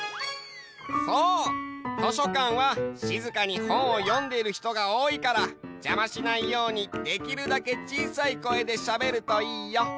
そう！としょかんはしずかにほんをよんでいるひとがおおいからじゃましないようにできるだけちいさい声でしゃべるといいよ。